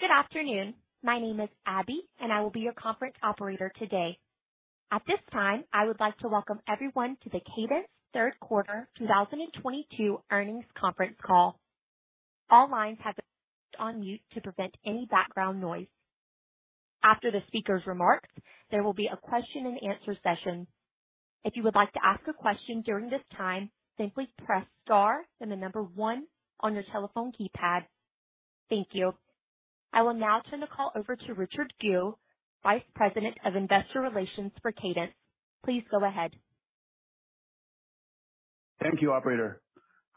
Good afternoon. My name is Abby, and I will be your conference operator today. At this time, I would like to welcome everyone to the Cadence Q3 2022 earnings conference call. All lines have been placed on mute to prevent any background noise. After the speaker's remarks, there will be a question-and-answer session. If you would like to ask a question during this time, simply press star then the number one on your telephone keypad. Thank you. I will now turn the call over to Richard Gu, Vice President of Investor Relations for Cadence. Please go ahead. Thank you, operator.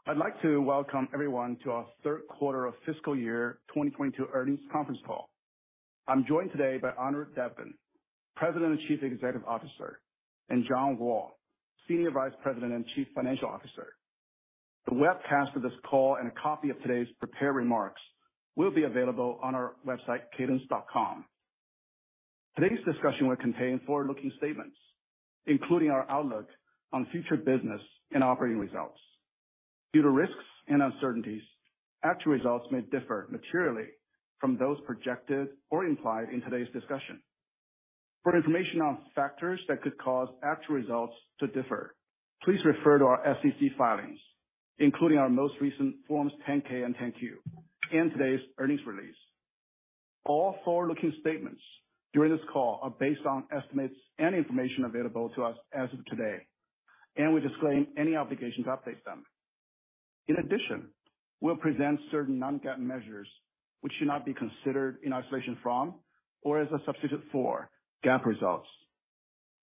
I'd like to welcome everyone to our Q3 of fiscal year 2022 earnings conference call. I'm joined today by Anirudh Devgan, President and Chief Executive Officer, and John Wall, Senior Vice President and Chief Financial Officer. The webcast of this call and a copy of today's prepared remarks will be available on our website, cadence.com. Today's discussion will contain forward-looking statements, including our outlook on future business and operating results. Due to risks and uncertainties, actual results may differ materially from those projected or implied in today's discussion. For information on factors that could cause actual results to differ, please refer to our SEC filings, including our most recent Forms 10-K and 10-Q in today's earnings release. All forward-looking statements during this call are based on estimates and information available to us as of today, and we disclaim any obligation to update them. In addition, we'll present certain non-GAAP measures which should not be considered in isolation from or as a substitute for GAAP results.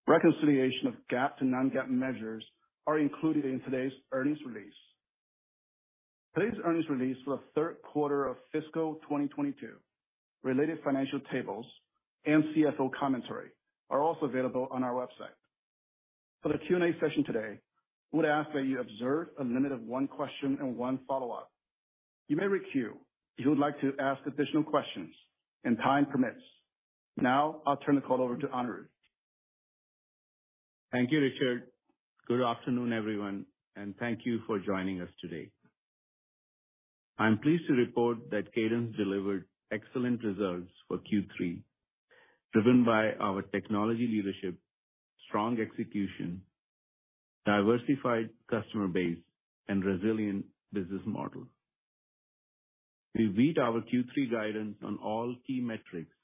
Reconciliation of GAAP to non-GAAP measures are included in today's earnings release. Today's earnings release for the Q3 of fiscal 2022 related financial tables and CFO commentary are also available on our website. For the Q&A session today, I would ask that you observe a limit of one question and one follow-up. You may requeue if you would like to ask additional questions and time permits. Now I'll turn the call over to Anirudh. Thank you, Richard. Good afternoon, everyone, and thank you for joining us today. I'm pleased to report that Cadence delivered excellent results for Q3, driven by our technology leadership, strong execution, diversified customer base, and resilient business model. We beat our Q3 guidance on all key metrics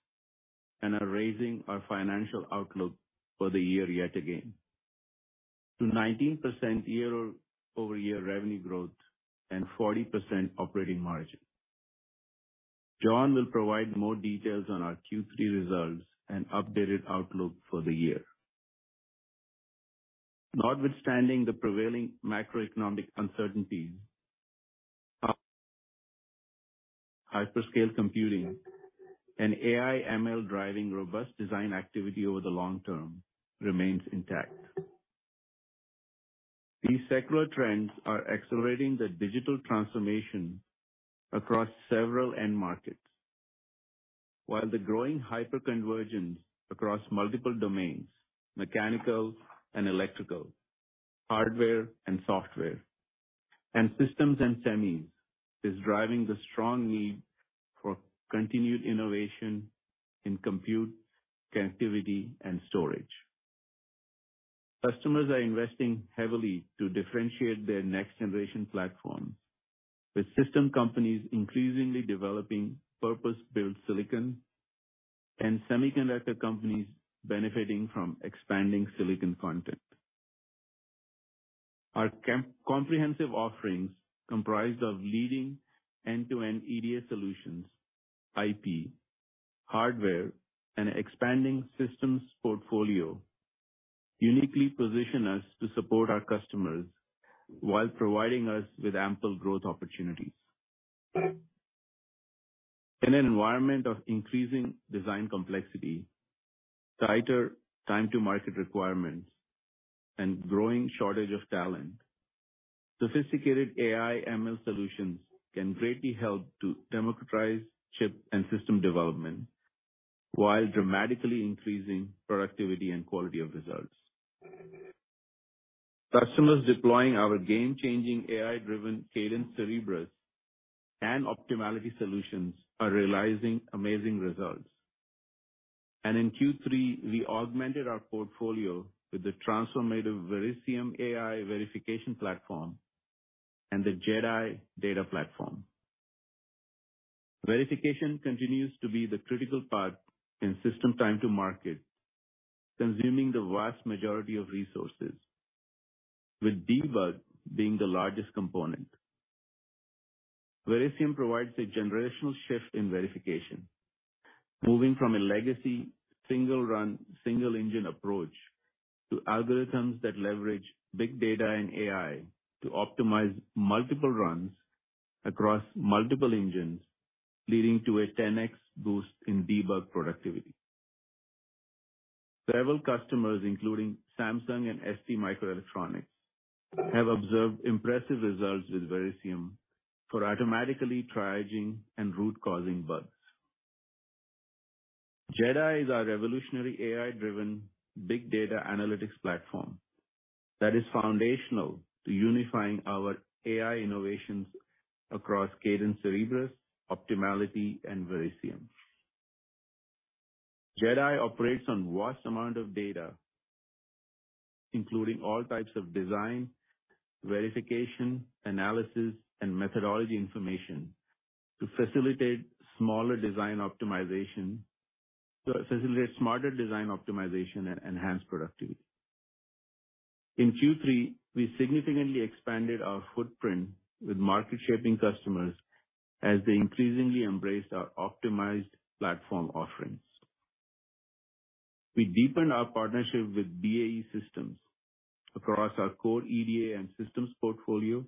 and are raising our financial outlook for the year yet again to 19% year-over-year revenue growth and 40% operating margin. John will provide more details on our Q3 results and updated outlook for the year. Notwithstanding the prevailing macroeconomic uncertainties, hyperscale computing and AI/ML driving robust design activity over the long term remains intact. These secular trends are accelerating the digital transformation across several end markets. While the growing hyperconvergence across multiple domains, mechanical and electrical, hardware and software, and systems and semis, is driving the strong need for continued innovation in compute, connectivity, and storage. Customers are investing heavily to differentiate their next-generation platforms, with system companies increasingly developing purpose-built silicon and semiconductor companies benefiting from expanding silicon content. Our comprehensive offerings comprised of leading end-to-end EDA solutions, IP, hardware, and expanding systems portfolio uniquely position us to support our customers while providing us with ample growth opportunities. In an environment of increasing design complexity, tighter time to market requirements, and growing shortage of talent, sophisticated AI/ML solutions can greatly help to democratize chip and system development while dramatically increasing productivity and quality of results. Customers deploying our game-changing AI-driven Cadence Cerebrus and Optimality solutions are realizing amazing results. In Q3, we augmented our portfolio with the transformative Verisium AI verification platform and the JedAI data platform. Verification continues to be the critical path in system time to market, consuming the vast majority of resources, with debug being the largest component. Verisium provides a generational shift in verification, moving from a legacy single run, single engine approach, to algorithms that leverage big data and AI to optimize multiple runs across multiple engines, leading to a 10x boost in debug productivity. Several customers, including Samsung and STMicroelectronics, have observed impressive results with Verisium for automatically triaging and root-causing bugs. JedAI is our revolutionary AI driven big data analytics platform that is foundational to unifying our AI innovations across Cadence Cerebrus, Optimality and Verisium. JedAI operates on vast amount of data, including all types of design, verification, analysis and methodology information to facilitate smarter design optimization and enhanced productivity. In Q3, we significantly expanded our footprint with market-shaping customers as they increasingly embrace our optimized platform offerings. We deepened our partnership with BAE Systems across our core EDA and systems portfolio,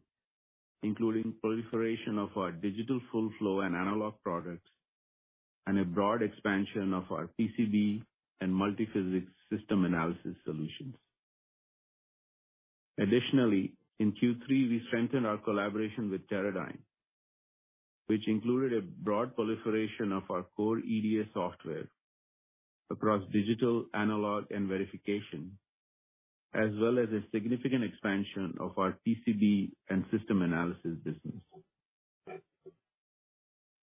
including proliferation of our digital full flow and analog products and a broad expansion of our PCB and multi-physics system analysis solutions. Additionally, in Q3, we strengthened our collaboration with Teradyne, which included a broad proliferation of our core EDA software across digital, analog and verification, as well as a significant expansion of our PCB and system analysis business.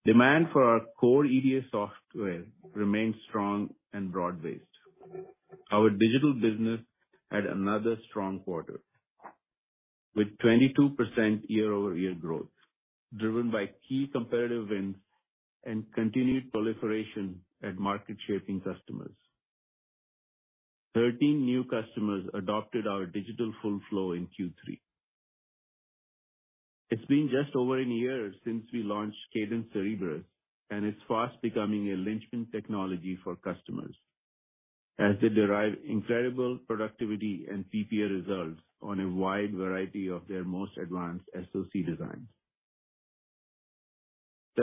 Demand for our core EDA software remains strong and broad-based. Our digital business had another strong quarter with 22% year-over-year growth, driven by key competitive wins and continued proliferation at market-shaping customers. 13 new customers adopted our digital full flow in Q3. It's been just over a year since we launched Cadence Cerebrus, and it's fast becoming a linchpin technology for customers as they derive incredible productivity and PPA results on a wide variety of their most advanced SoC designs.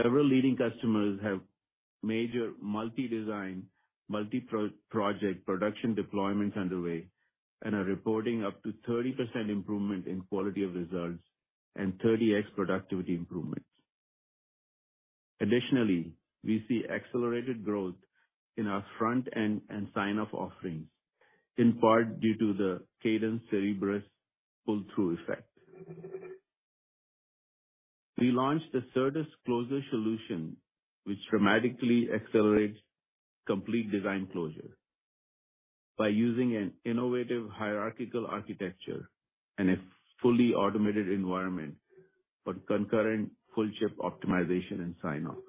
Several leading customers have major multi-design, multi-pro-project production deployments underway and are reporting up to 30% improvement in quality of results and 30x productivity improvements. Additionally, we see accelerated growth in our front-end and signoff offerings, in part due to the Cadence Cerebrus pull-through effect. We launched the Certus closure solution, which dramatically accelerates complete design closure by using an innovative hierarchical architecture and a fully automated environment for concurrent full chip optimization and signoff.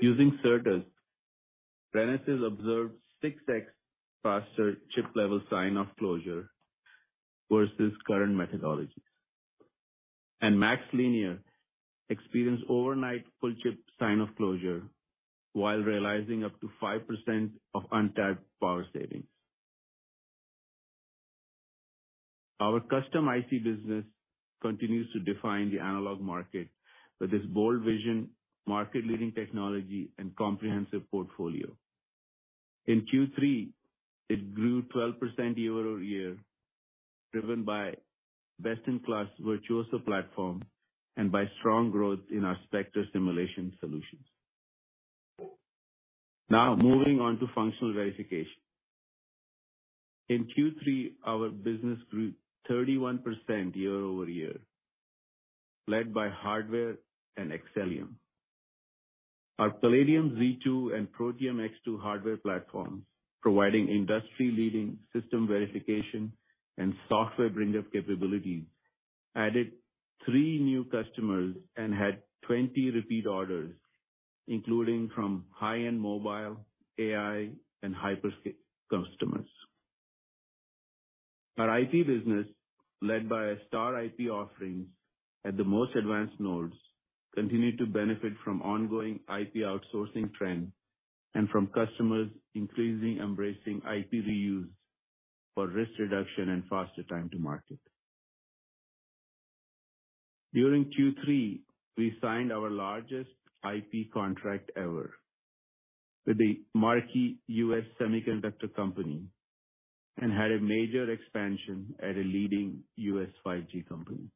Using Certus, Renesas observed 6x faster chip level signoff closure versus current methodologies. MaxLinear experienced overnight full chip signoff closure while realizing up to 5% of untapped power savings. Our custom IC business continues to define the analog market with its bold vision, market-leading technology and comprehensive portfolio. In Q3, it grew 12% year-over-year, driven by best-in-class Virtuoso platform and by strong growth in our Spectre simulation solutions. Now moving on to functional verification. In Q3, our business grew 31% year-over-year, led by hardware and Xcelium. Our Palladium Z2 and Protium X2 hardware platforms, providing industry-leading system verification and software bring up capabilities, added three new customers and had 20 repeat orders, including from high-end mobile, AI, and hyperscale customers. Our IP business, led by our IP offerings at the most advanced nodes, continued to benefit from ongoing IP outsourcing trend and from customers increasingly embracing IP reuse for risk reduction and faster time to market. During Q3, we signed our largest IP contract ever with a marquee US semiconductor company and had a major expansion at a leading US 5G company.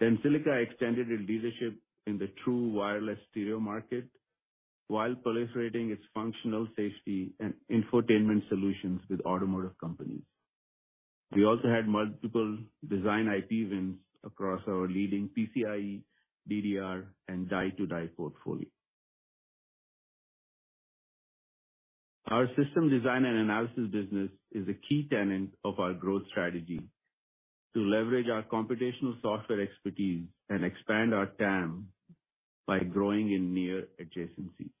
Tensilica extended its leadership in the true wireless stereo market while proliferating its functional safety and infotainment solutions with automotive companies. We also had multiple design IP wins across our leading PCIe, DDR, and die-to-die portfolio. Our system design and analysis business is a key tenet of our growth strategy to leverage our computational software expertise and expand our TAM by growing in near adjacencies.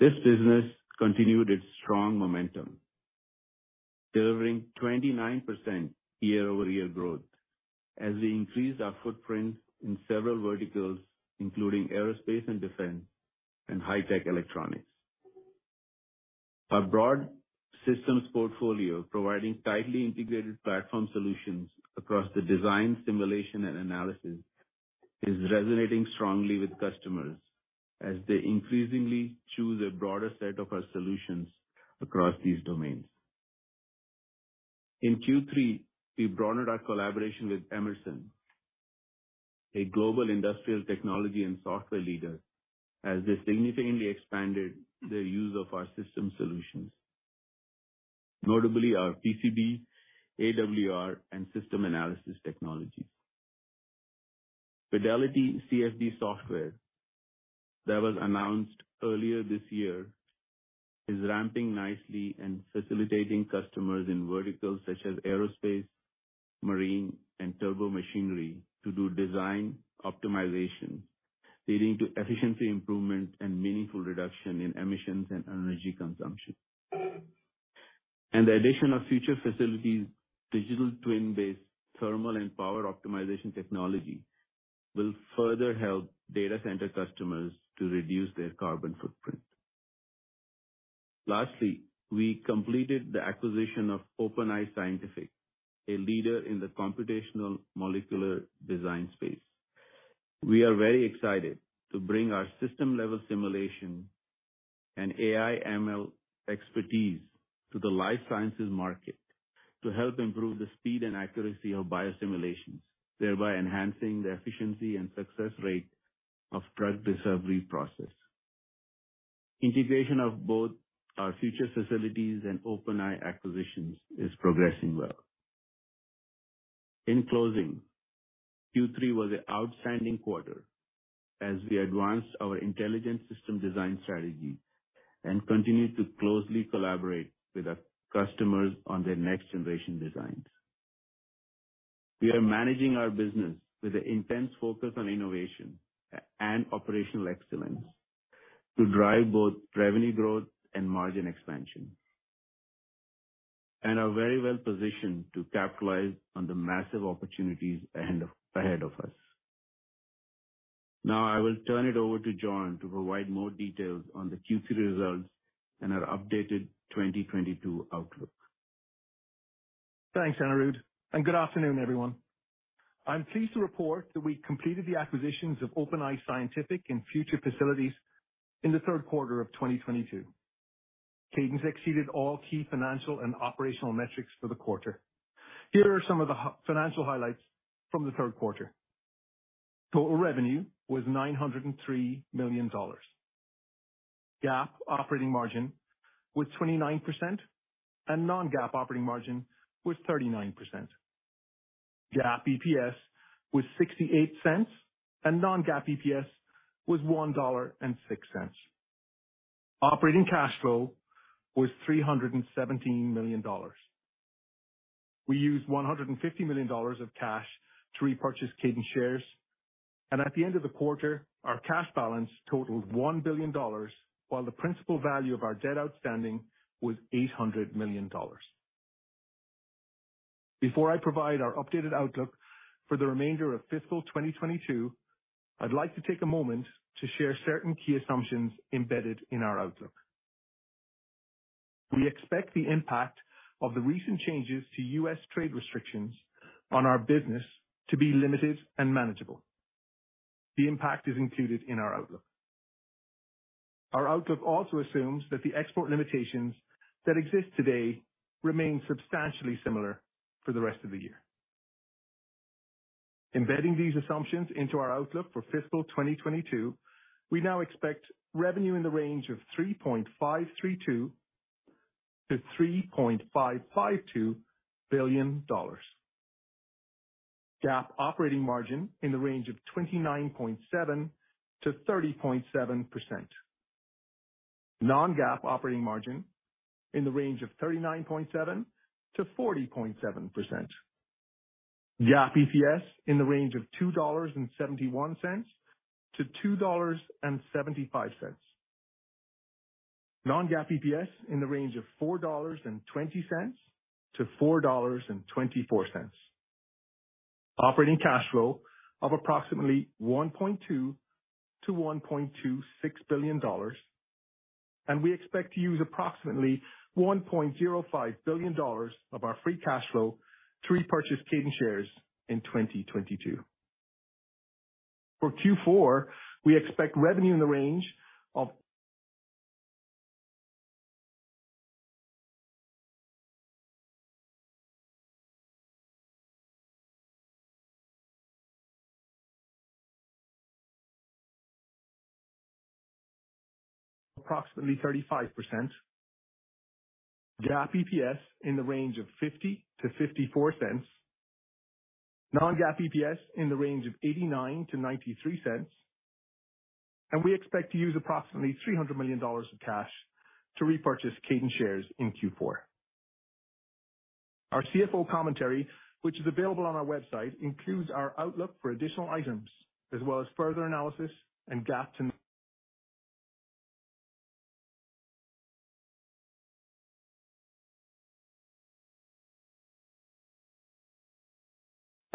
This business continued its strong momentum, delivering 29% year-over-year growth as we increased our footprint in several verticals, including aerospace and defense and high-tech electronics. Our broad systems portfolio, providing tightly integrated platform solutions across the design, simulation and analysis, is resonating strongly with customers as they increasingly choose a broader set of our solutions across these domains. In Q3, we broadened our collaboration with Emerson, a global industrial technology and software leader, as they significantly expanded their use of our system solutions, notably our PCB, AWR, and system analysis technologies. Fidelity CFD software that was announced earlier this year is ramping nicely and facilitating customers in verticals such as aerospace, marine, and turbomachinery to do design optimization, leading to efficiency improvement and meaningful reduction in emissions and energy consumption. The addition of Future Facilities, digital twin-based thermal and power optimization technology will further help data center customers to reduce their carbon footprint. Lastly, we completed the acquisition of OpenEye Scientific, a leader in the computational molecular design space. We are very excited to bring our system-level simulation and AI ML expertise to the life sciences market to help improve the speed and accuracy of biosimulations, thereby enhancing the efficiency and success rate of drug discovery process. Integration of both our Future Facilities and OpenEye acquisitions is progressing well. In closing, Q3 was an outstanding quarter as we advanced our intelligent system design strategy and continued to closely collaborate with our customers on their next-generation designs. We are managing our business with an intense focus on innovation and operational excellence to drive both revenue growth and margin expansion, and are very well positioned to capitalize on the massive opportunities ahead of us. Now I will turn it over to John to provide more details on the Q3 results and our updated 2022 outlook. Thanks, Anirudh, and good afternoon, everyone. I'm pleased to report that we completed the acquisitions of OpenEye Scientific and Future Facilities in the Q3 of 2022. Cadence exceeded all key financial and operational metrics for the quarter. Here are some of the financial highlights from the Q3. Total revenue was $903 million. GAAP operating margin was 29% and non-GAAP operating margin was 39%. GAAP EPS was $0.68 and non-GAAP EPS was $1.06. Operating cash flow was $317 million. We used $150 million of cash to repurchase Cadence shares. At the end of the quarter, our cash balance totaled $1 billion, while the principal value of our debt outstanding was $800 million. Before I provide our updated outlook for the remainder of fiscal 2022, I'd like to take a moment to share certain key assumptions embedded in our outlook. We expect the impact of the recent changes to US trade restrictions on our business to be limited and manageable. The impact is included in our outlook. Our outlook also assumes that the export limitations that exist today remain substantially similar for the rest of the year. Embedding these assumptions into our outlook for fiscal 2022, we now expect revenue in the range of $3.532 billion-$3.552 billion. GAAP operating margin in the range of 29.7%-30.7%. non-GAAP operating margin in the range of 39.7%-40.7%. GAAP EPS in the range of $2.71-$2.75. Non-GAAP EPS in the range of $4.20-$4.24. Operating cash flow of approximately $1.2 billion-$1.26 billion, and we expect to use approximately $1.05 billion of our free cash flow to repurchase Cadence shares in 2022. For Q4, we expect revenue in the range of approximately 35%. GAAP EPS in the range of $0.50-$0.54. Non-GAAP EPS in the range of $0.89-$0.93. We expect to use approximately $300 million of cash to repurchase Cadence shares in Q4. Our CFO commentary, which is available on our website, includes our outlook for additional items as well as further analysis.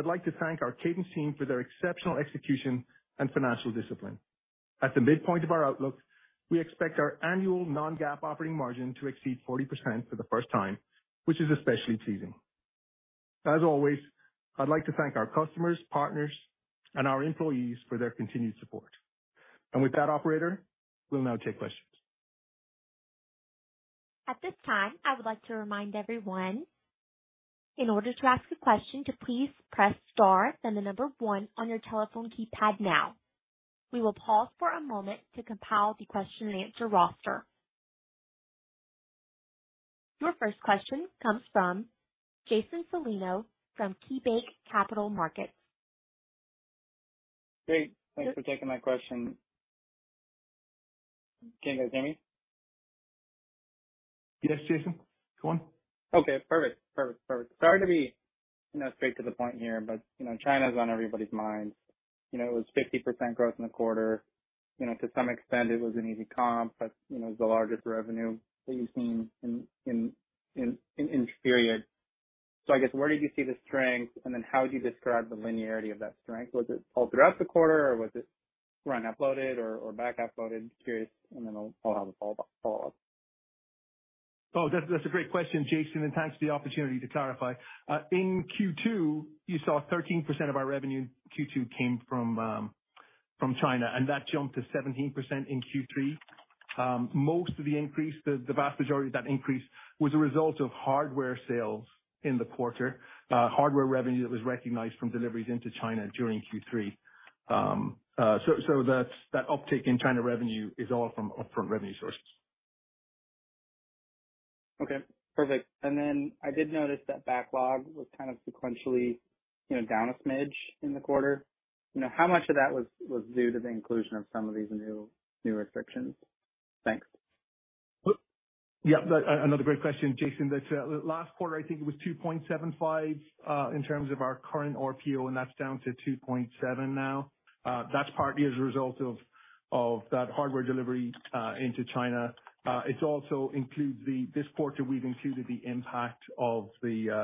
I'd like to thank our Cadence team for their exceptional execution and financial discipline. At the midpoint of our outlook, we expect our annual non-GAAP operating margin to exceed 40% for the first time, which is especially pleasing. As always, I'd like to thank our customers, partners, and our employees for their continued support. With that operator, we'll now take questions. At this time, I would like to remind everyone, in order to ask a question, to please press star then the number one on your telephone keypad now. We will pause for a moment to compile the question-and-answer roster. Your first question comes from Jason Celino from KeyBanc Capital Markets. Great. Thanks for taking my question. Can you hear me? Yes, Jason, go on. Okay, perfect. Sorry to be, you know, straight to the point here, but, you know, China's on everybody's minds. You know, it was 50% growth in the quarter. You know, to some extent it was an easy comp, but, you know, it was the largest revenue that you've seen in this period. I guess, where did you see the strength, and then how would you describe the linearity of that strength? Was it all throughout the quarter or was it front-loaded or back-loaded? Curious. Then I'll have a follow-up. That's a great question, Jason, and thanks for the opportunity to clarify. In Q2, you saw 13% of our revenue in Q2 came from China, and that jumped to 17% in Q3. Most of the increase, the vast majority of that increase was a result of hardware sales in the quarter. Hardware revenue that was recognized from deliveries into China during Q3. That uptick in China revenue is all from up-front revenue sources. Okay, perfect. I did notice that backlog was kind of sequentially, you know, down a smidge in the quarter. You know, how much of that was due to the inclusion of some of these new restrictions? Thanks. Yeah, another great question, Jason. That last quarter, I think it was $2.75 in terms of our current RPO, and that's down to $2.7 now. That's partly as a result of that hardware delivery into China. It also includes this quarter we've included the impact of the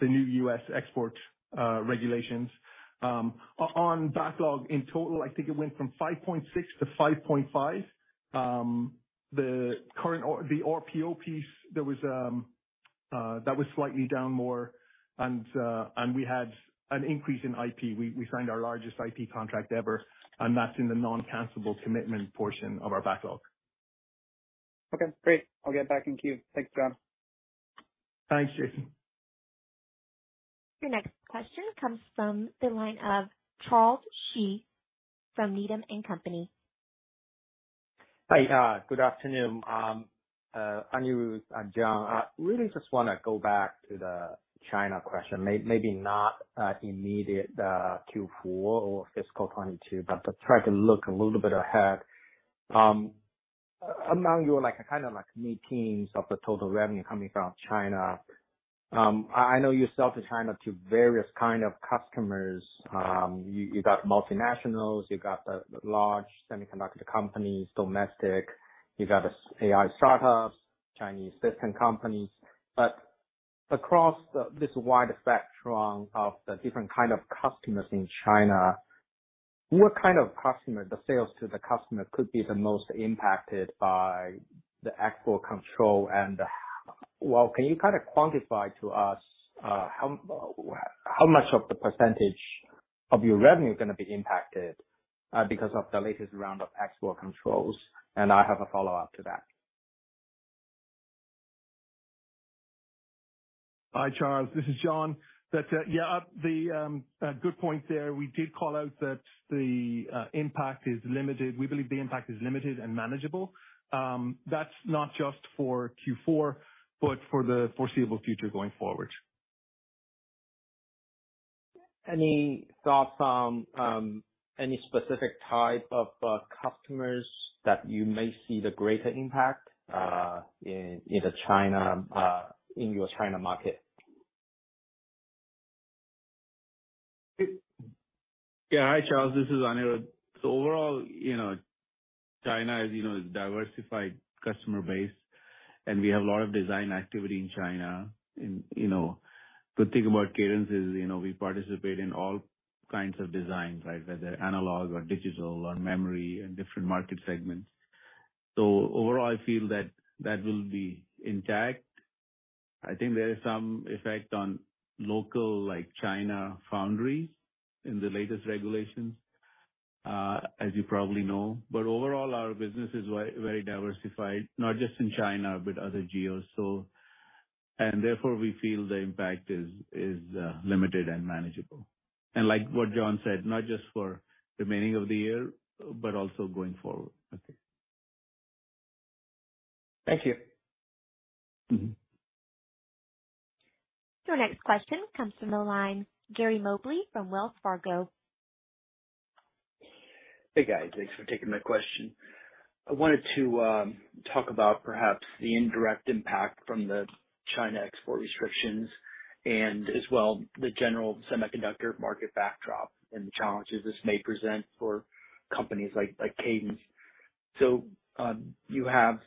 new U.S. export regulations. On backlog in total, I think it went from $5.6-$5.5. The current or the RPO piece, that was slightly down more, and we had an increase in IP. We signed our largest IP contract ever, and that's in the noncancelable commitment portion of our backlog. Okay, great. I'll get back in queue. Thanks, John. Thanks, Jason. Your next question comes from the line of Charles Shi from Needham & Company. Hi. Good afternoon. Anirudh, John, I really just wanna go back to the China question. Maybe not immediate, Q4 or fiscal 2022, but to try to look a little bit ahead. Among you, like, kind of like mid-teens of the total revenue coming from China, I know you sell to China to various kind of customers. You got multinationals, you got the large semiconductor companies, domestic, you got AI startups, Chinese system companies. But across this wide spectrum of the different kind of customers in China, what kind of customer the sales to the customer could be the most impacted by the export control? Can you kind of quantify to us how much of the percentage of your revenue is gonna be impacted because of the latest round of export controls? I have a follow-up to that. Hi, Charles. This is John. Yeah, good point there. We did call out that the impact is limited. We believe the impact is limited and manageable. That's not just for Q4, but for the foreseeable future going forward. Any thoughts on any specific type of customers that you may see the greater impact in your China market? Yeah. Hi, Charles. This is Anirudh. Overall, you know, China is, you know, diversified customer base, and we have a lot of design activity in China. You know, good thing about Cadence is, you know, we participate in all kinds of designs, right? Whether analog or digital or memory and different market segments. Overall, I feel that will be intact. I think there is some effect on local like China foundry in the latest regulations, as you probably know. Overall, our business is very, very diversified, not just in China, but other geos. Therefore, we feel the impact is limited and manageable. Like what John said, not just for the remaining of the year, but also going forward. Okay. Thank you. Mm-hmm. Your next question comes from the line, Gary Mobley from Wells Fargo. Hey, guys. Thanks for taking my question. I wanted to talk about perhaps the indirect impact from the China export restrictions and as well as the general semiconductor market backdrop and the challenges this may present for companies like Cadence. You have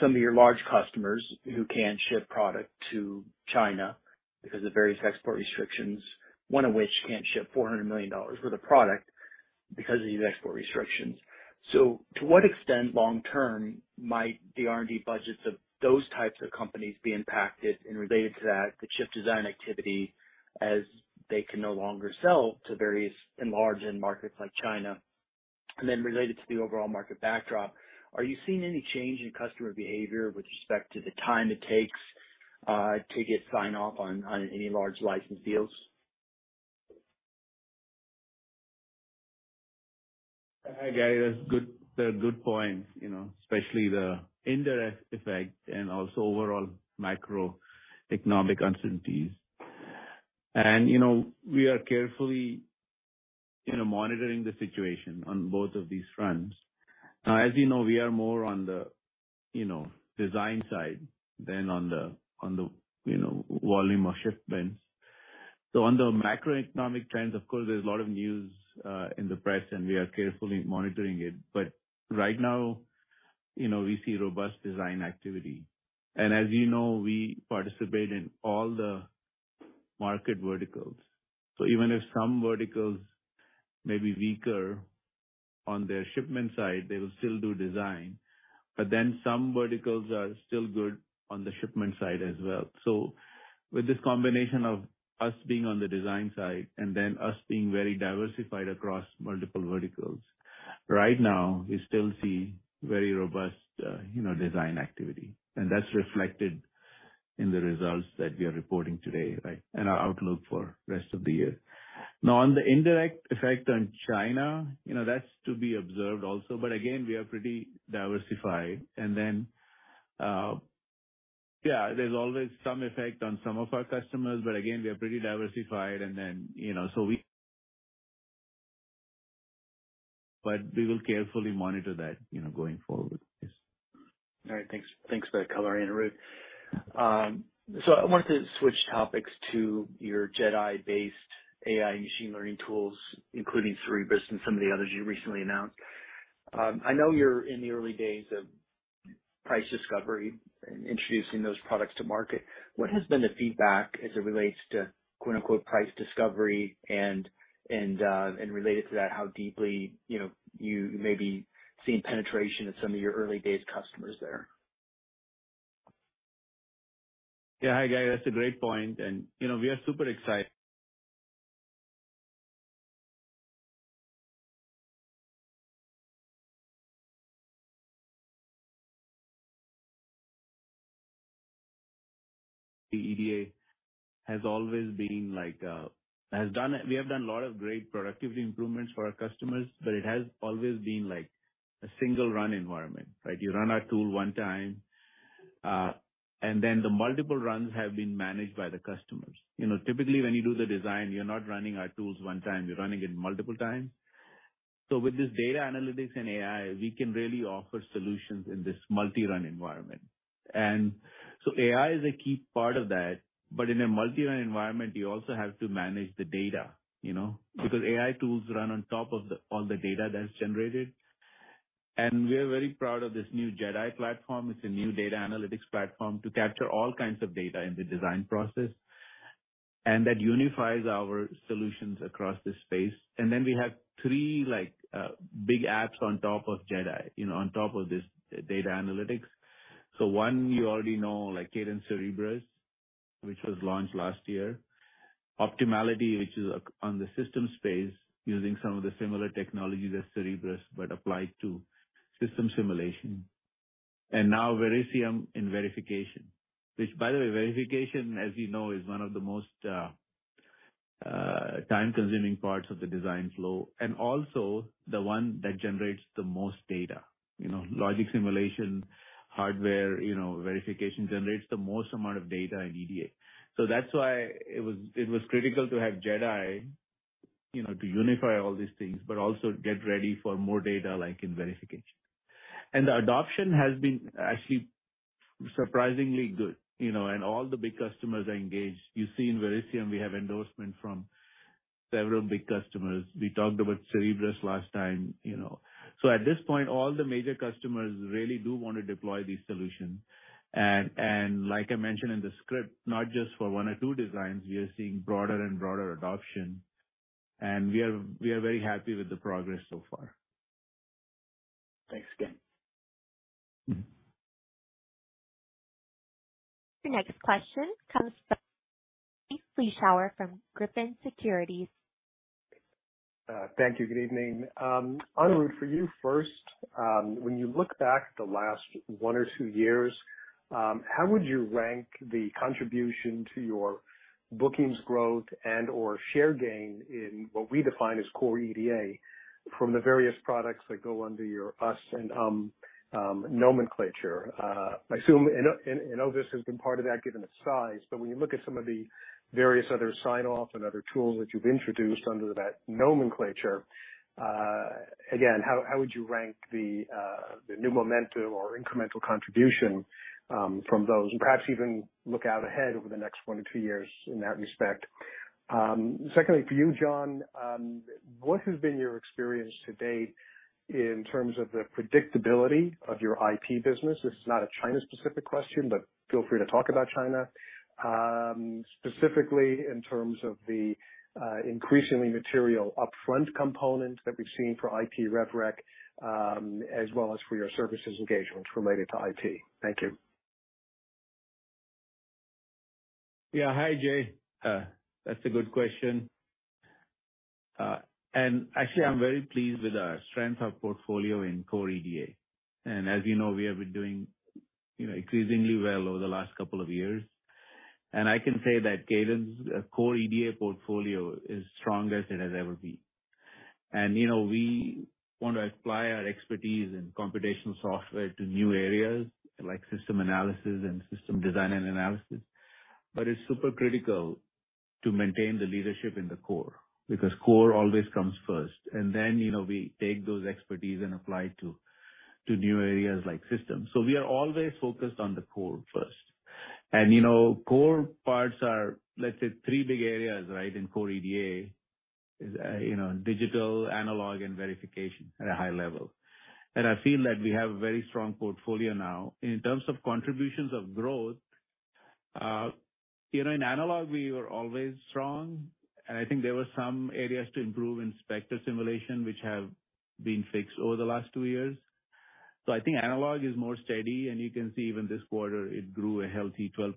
some of your large customers who cannot ship product to China because of various export restrictions, one of which can't ship $400 million worth of product because of these export restrictions. To what extent long-term might the R&D budgets of those types of companies be impacted? Related to that, the chip design activity as they can no longer sell to various and large end markets like China. Related to the overall market backdrop, are you seeing any change in customer behavior with respect to the time it takes to get sign-off on any large license deals? Hi, Gary. That's good. They're good points, you know, especially the indirect effect and also overall macroeconomic uncertainties. You know, we are carefully, you know, monitoring the situation on both of these fronts. As you know, we are more on the, you know, design side than on the you know, volume or shipments. On the macroeconomic trends, of course, there's a lot of news, in the press, and we are carefully monitoring it. Right now, you know, we see robust design activity. As you know, we participate in all the market verticals. Even if some verticals may be weaker on their shipment side, they will still do design. Then some verticals are still good on the shipment side as well. With this combination of us being on the design side and then us being very diversified across multiple verticals, right now we still see very robust, you know, design activity. That's reflected in the results that we are reporting today, right? Our outlook for rest of the year. Now, on the indirect effect on China, you know, that's to be observed also, but again, we are pretty diversified. Yeah, there's always some effect on some of our customers, but again, we are pretty diversified and then, you know, but we will carefully monitor that, you know, going forward. Yes. All right. Thanks for that color, Anirudh. I wanted to switch topics to your JedAI-based AI machine learning tools, including Cerebrus and some of the others you recently announced. I know you're in the early days of price discovery and introducing those products to market. What has been the feedback as it relates to quote-unquote, "price discovery" and related to that, how deeply you know you may be seeing penetration at some of your early days customers there? Yeah. Hi, Gary. That's a great point. You know, we are super excited. The EDA has always been like, we have done a lot of great productivity improvements for our customers, but it has always been like a single run environment, right? You run our tool one time, and then the multiple runs have been managed by the customers. You know, typically, when you do the design, you're not running our tools one time, you're running it multiple times. With this data analytics and AI, we can really offer solutions in this multi-run environment. AI is a key part of that. In a multi-run environment, you also have to manage the data, you know? Because AI tools run on top of all the data that's generated. We're very proud of this new JedAI platform. It's a new data analytics platform to capture all kinds of data in the design process, and that unifies our solutions across this space. Then we have three, like, big apps on top of JedAI, you know, on top of this data analytics. One you already know, like Cadence Cerebrus, which was launched last year. Optimality, which is on the system space using some of the similar technology as Cerebrus, but applied to system simulation. Now Verisium in verification, which by the way, verification, as you know, is one of the most time-consuming parts of the design flow and also the one that generates the most data. You know, logic simulation, hardware, you know, verification generates the most amount of data in EDA. That's why it was critical to have JedAI, you know, to unify all these things, but also get ready for more data like in verification. The adoption has been actually surprisingly good, you know, and all the big customers are engaged. You see in Verisium we have endorsement from several big customers. We talked about Cerebrus last time, you know. At this point, all the major customers really do want to deploy these solutions. Like I mentioned in the script, not just for one or two designs, we are seeing broader and broader adoption. We are very happy with the progress so far. Thanks again. Mm-hmm. Your next question comes from Jay Vleeschhouwer from Griffin Securities. Thank you. Good evening. Anirudh, for you first, when you look back the last one or two years, how would you rank the contribution to your bookings growth and/or share gain in what we define as core EDA from the various products that go under your UVM and UML nomenclature? I assume Innovus has been part of that given its size, but when you look at some of the various other sign-off and other tools that you've introduced under that nomenclature, again, how would you rank the new momentum or incremental contribution from those? Perhaps even look out ahead over the next one to two years in that respect. Secondly, for you, John, what has been your experience to date in terms of the predictability of your IP business? This is not a China-specific question, but feel free to talk about China. Specifically in terms of the increasingly material upfront component that we've seen for IP rev rec, as well as for your services engagements related to IP. Thank you. Yeah. Hi, Jay. That's a good question. Actually, I'm very pleased with our strength of portfolio in core EDA. As you know, we have been doing, you know, increasingly well over the last couple of years. I can say that Cadence core EDA portfolio is strong as it has ever been. You know, we want to apply our expertise in computational software to new areas like system analysis and system design and analysis. But it's super critical to maintain the leadership in the core, because core always comes first, and then, you know, we take those expertise and apply to new areas like systems. We are always focused on the core first. You know, core parts are, let's say, three big areas, right? In core EDA, you know, digital, analog, and verification at a high level. I feel that we have a very strong portfolio now. In terms of contributions of growth, you know, in analog we were always strong, and I think there were some areas to improve in Spectre simulation, which have been fixed over the last two years. I think analog is more steady, and you can see even this quarter it grew a healthy 12%.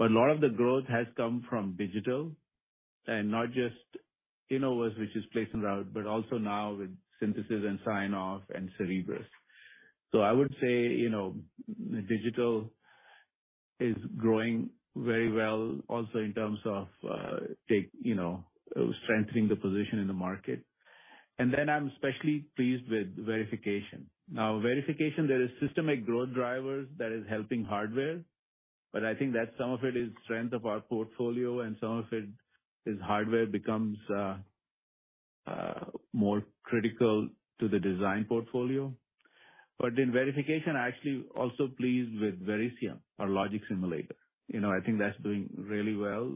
A lot of the growth has come from digital and not just Innovus, which is place and route, but also now with synthesis and sign-off and Cerebrus. I would say, you know, digital is growing very well also in terms of, you know, strengthening the position in the market. Then I'm especially pleased with verification. Now, verification, there is systemic growth drivers that is helping hardware, but I think that some of it is strength of our portfolio and some of it is hardware becomes more critical to the design portfolio. In verification, I actually also pleased with Verisium, our logic simulator. You know, I think that's doing really well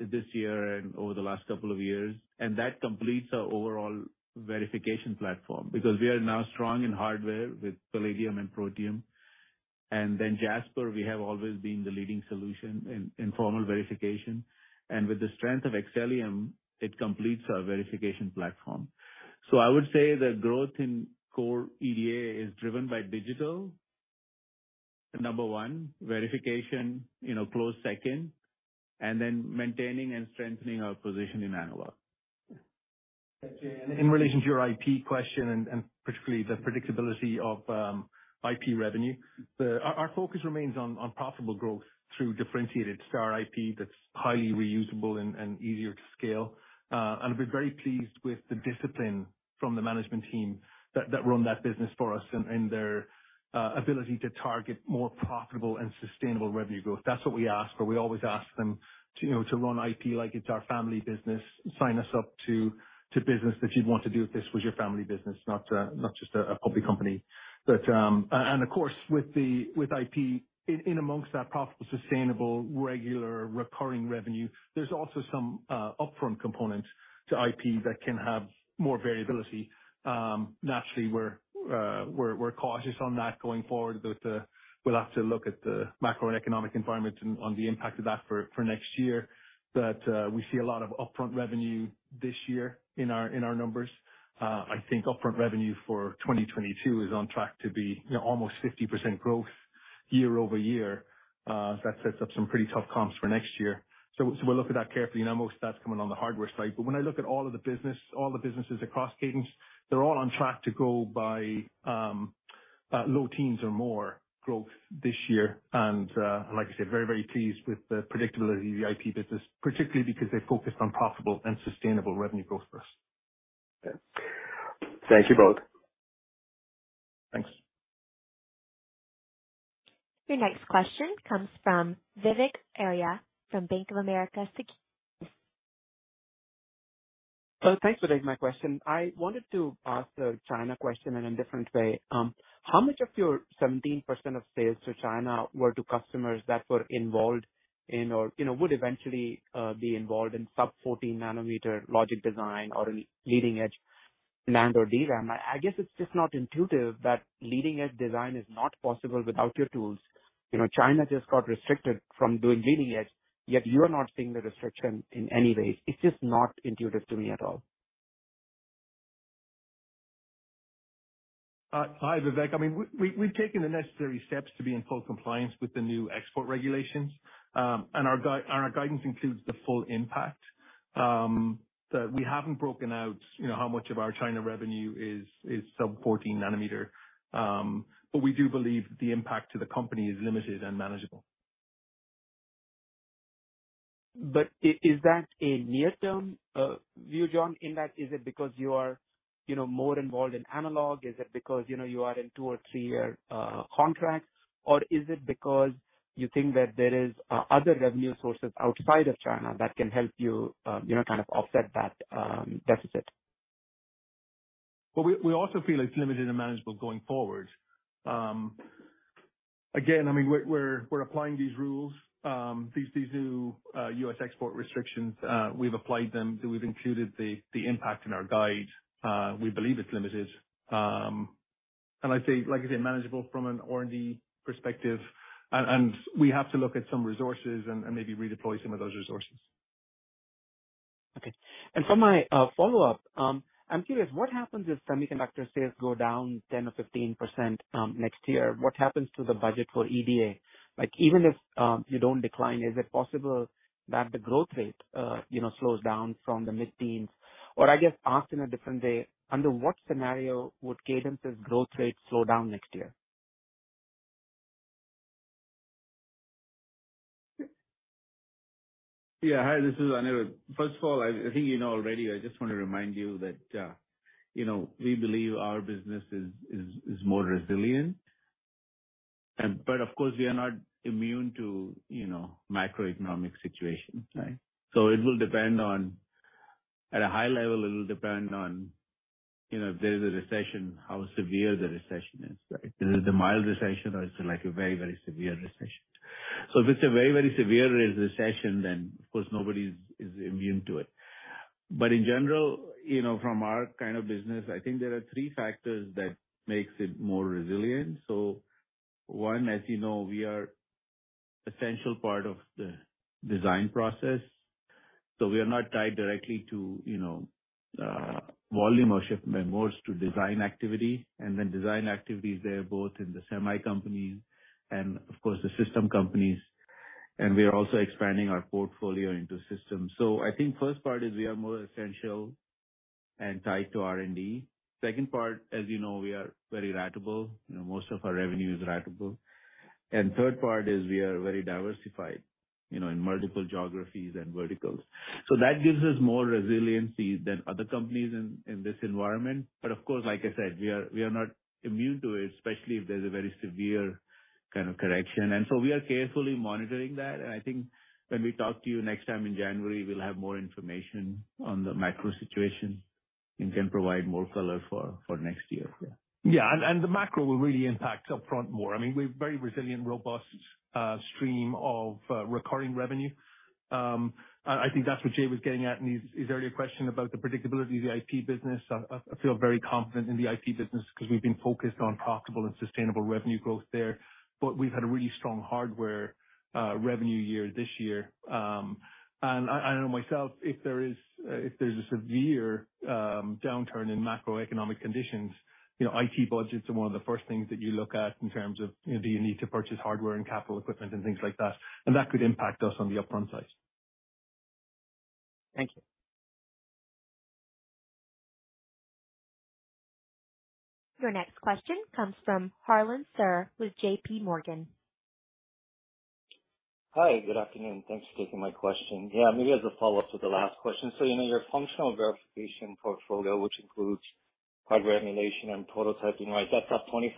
this year and over the last couple of years. That completes our overall verification platform, because we are now strong in hardware with Palladium and Protium. Jasper, we have always been the leading solution in formal verification. With the strength of Xcelium, it completes our verification platform. I would say the growth in core EDA is driven by digital, number one. Verification, you know, close second, and then maintaining and strengthening our position in analog. Yeah. In relation to your IP question and particularly the predictability of IP revenue, our focus remains on profitable growth through differentiated star IP that's highly reusable and easier to scale. I've been very pleased with the discipline from the management team that run that business for us and their ability to target more profitable and sustainable revenue growth. That's what we ask for. We always ask them to, you know, to run IP like it's our family business. Sign us up to business that you'd want to do if this was your family business, not just a public company. Of course, with IP in amongst that profitable, sustainable, regular recurring revenue, there's also some upfront components to IP that can have more variability. Naturally, we're cautious on that going forward, but we'll have to look at the macroeconomic environment and on the impact of that for next year. We see a lot of upfront revenue this year in our numbers. I think upfront revenue for 2022 is on track to be, you know, almost 50% growth year-over-year. That sets up some pretty tough comps for next year. We'll look at that carefully. Now, most of that's coming on the hardware side. When I look at all of the business, all the businesses across Cadence, they're all on track to grow by low teens or more growth this year. like I said, very, very pleased with the predictability of the IP business, particularly because they're focused on profitable and sustainable revenue growth for us. Okay. Thank you both. Thanks. Your next question comes from Vivek Arya from Bank of America Securities. Thanks for taking my question. I wanted to ask a China question in a different way. How much of your 17% of sales to China were to customers that were involved in or, you know, would eventually be involved in sub-14 nanometer logic design or leading edge NAND or DRAM? I guess it's just not intuitive that leading edge design is not possible without your tools. You know, China just got restricted from doing leading edge, yet you're not seeing the restriction in any way. It's just not intuitive to me at all. Hi, Vivek. I mean, we've taken the necessary steps to be in full compliance with the new export regulations. Our guidance includes the full impact, but we haven't broken out, you know, how much of our China revenue is sub 14 nanometer. We do believe the impact to the company is limited and manageable. Is that a near-term view, John? In that, is it because you are, you know, more involved in analog? Is it because, you know, you are in 2- or 3-year contracts? Or is it because you think that there is other revenue sources outside of China that can help you know, kind of offset that deficit? Well, we also feel it's limited and manageable going forward. Again, I mean, we're applying these rules, these new U.S. export restrictions. We've applied them. We've included the impact in our guide. We believe it's limited. I'd say, like I say, manageable from an R&D perspective. We have to look at some resources and maybe redeploy some of those resources. Okay. For my follow-up, I'm curious, what happens if semiconductor sales go down 10% or 15% next year? What happens to the budget for EDA? Like, even if you don't decline, is it possible that the growth rate you know slows down from the mid-teens? Or I guess asked in a different way, under what scenario would Cadence's growth rate slow down next year? Yeah. Hi, this is Anirudh. First of all, I think you know already, I just want to remind you that, you know, we believe our business is more resilient and but of course we are not immune to, you know, macroeconomic situation, right? It will depend on. At a high level, it'll depend on, you know, if there is a recession, how severe the recession is, right? Is it a mild recession or is it like a very, very severe recession? If it's a very, very severe recession, then of course nobody is immune to it. In general, you know, from our kind of business, I think there are three factors that makes it more resilient. One, as you know, we are essential part of the design process, so we are not tied directly to, you know, volume or shipment, more to design activity, and then design activities there both in the semi companies and of course the system companies, and we are also expanding our portfolio into systems. I think first part is we are more essential and tied to R&D. Second part, as you know, we are very ratable, you know, most of our revenue is ratable. Third part is we are very diversified, you know, in multiple geographies and verticals. That gives us more resiliency than other companies in this environment. Of course like I said, we are not immune to it, especially if there's a very severe kind of correction. We are carefully monitoring that. I think when we talk to you next time in January, we'll have more information on the macro situation and can provide more color for next year. Yeah. Yeah. The macro will really impact upfront more. I mean, we're very resilient, robust stream of recurring revenue. I think that's what Jay was getting at in his earlier question about the predictability of the IT business. I feel very confident in the IT business 'cause we've been focused on profitable and sustainable revenue growth there. But we've had a really strong hardware revenue year this year. I don't know myself if there's a severe downturn in macroeconomic conditions, you know, IT budgets are one of the first things that you look at in terms of, you know, do you need to purchase hardware and capital equipment and things like that, and that could impact us on the upfront side. Thank you. Your next question comes from Harlan sur with J.P. Morgan. Hi, good afternoon. Thanks for taking my question. Yeah, maybe as a follow-up to the last question. You know your functional verification portfolio, which includes hardware emulation and prototyping, right? That's up 25%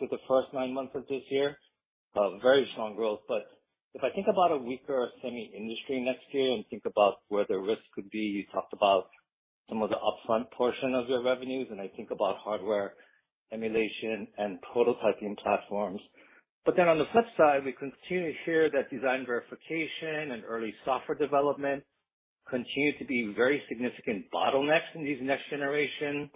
for the first nine months of this year. Very strong growth. If I think about a weaker semi industry next year and think about where the risks could be, you talked about some of the upfront portion of your revenues, and I think about hardware emulation and prototyping platforms. On the flip side, we continue to hear that design verification and early software development continue to be very significant bottlenecks in these next generation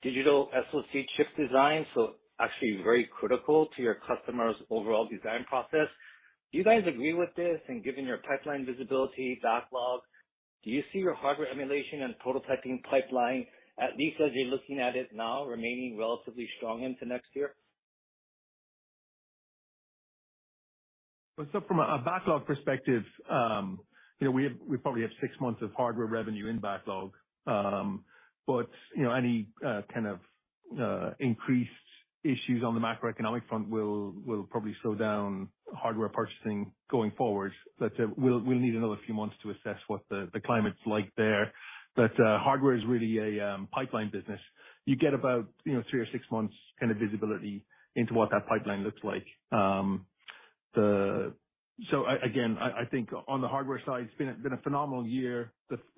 digital SoC chip design, so actually very critical to your customers' overall design process. Do you guys agree with this? Given your pipeline visibility backlog, do you see your hardware emulation and prototyping pipeline, at least as you're looking at it now, remaining relatively strong into next year? From a backlog perspective, you know, we probably have 6 months of hardware revenue in backlog. You know, any kind of increased issues on the macroeconomic front will probably slow down hardware purchasing going forward. We'll need another few months to assess what the climate's like there. Hardware is really a pipeline business. You get about, you know, three or six months kind of visibility into what that pipeline looks like. Again, I think on the hardware side, it's been a phenomenal year.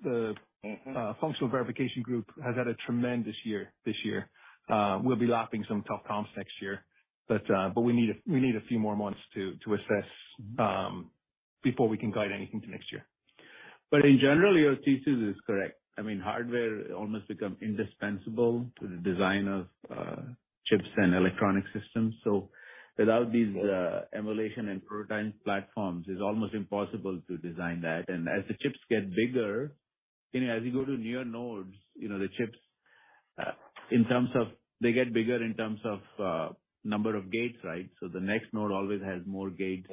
Mm-hmm. Functional verification group has had a tremendous year this year. We'll be lapping some tough comps next year, but we need a few more months to assess before we can guide anything to next year. In general, your thesis is correct. I mean, hardware almost become indispensable to the design of chips and electronic systems. Without these emulation and prototype platforms, it's almost impossible to design that. As the chips get bigger, you know, as you go to newer nodes, you know, the chips in terms of number of gates, right? The next node always has more gate